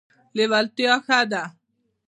لیوالتیا ښه ده.